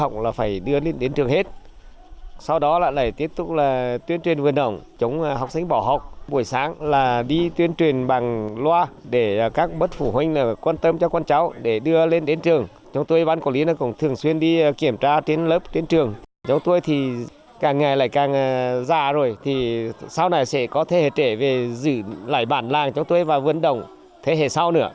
chúng tôi thì càng ngày lại càng già rồi thì sau này sẽ có thế hệ trễ về giữ lại bản làng chúng tôi và vươn đồng thế hệ sau nữa